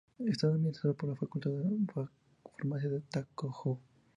Está administrado por la Facultad de Farmacia de Tohoku.